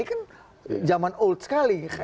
ini kan zaman old sekali